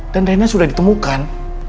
dan rena sudah ditemukan